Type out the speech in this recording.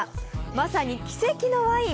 まさに奇跡のワイン